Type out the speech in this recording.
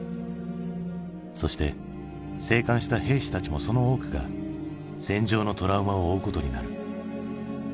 そして生還した兵士たちもその多くが戦場のトラウマを負うことになる。